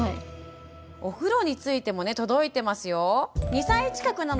お風呂についても届いてますよ。